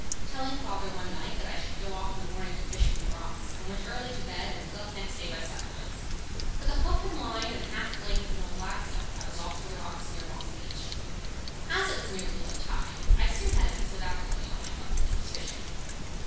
Telling father one night that I should go off in the morning to fish from the rocks, I went early to bed, and was up next day by sunrise. With a hook and line and half the length of an old lasso, I was off for the rocks near Moss Beach. As it was nearly low tide, I soon had a piece of abalone on my hook, and was fishing.